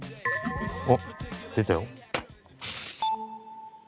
おっ出たよ。